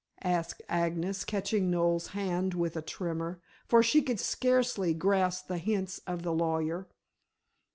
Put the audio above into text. asked Agnes, catching Noel's hand with a tremor, for she could scarcely grasp the hints of the lawyer.